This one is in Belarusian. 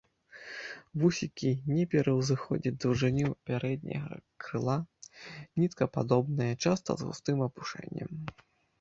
Вусікі не пераўзыходзяць даўжыню пярэдняга крыла, ніткападобныя, часта з густым апушэннем.